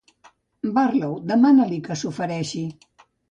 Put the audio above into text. Barlow, demana-li que s'ofereixi.